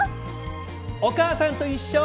「おかあさんといっしょ」。